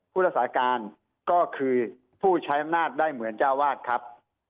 ผู้รักษาการก็คือผู้ใช้อำนาจได้เหมือนเจ้าวาดครับ